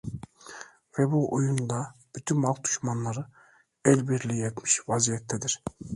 Ve bu oyunda bütün halk düşmanları elbirliği etmiş vaziyettedir.